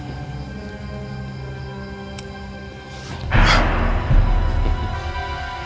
saya sudah berangkat